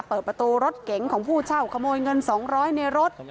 เปิดประตูรถเก๋งของผู้เช่าขโมยเงิน๒๐๐ในรถ